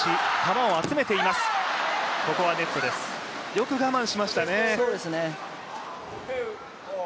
よく我慢しましたね。